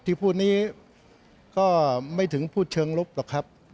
ที่พูดนี้ก็ไม่ถึงพูดเชิงลบหรอกครับ